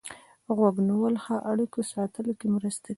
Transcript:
غوږ نیول ښه اړیکو ساتلو کې مرسته کوي.